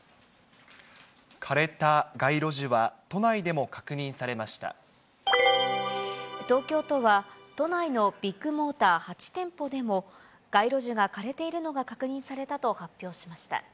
枯れた街路樹は都内でも確認東京都は都内のビッグモーター８店舗でも、街路樹が枯れているのが確認されたと発表しました。